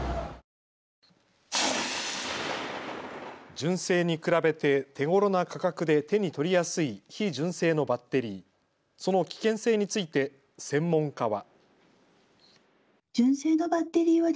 純正に比べて手ごろな価格で手に取りやすい非純正のバッテリー、その危険性について専門家は。